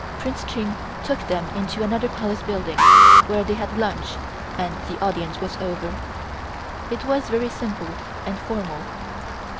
Prince Ching took them into another Palace building, where they had lunch, and the audience was over. It was very simple and formal.